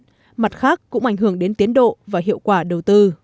mặt khác cũng ảnh hưởng đến tiến độ và hiệu quả đầu tư